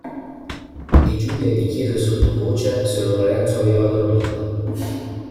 E Giulia gli chiese sottovoce se Lorenzo aveva dormito.